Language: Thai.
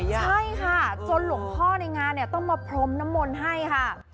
ใช่ค่ะจนหลวงพ่อในงานเนี่ยต้องมาพรมน้ำมนต์ให้ค่ะ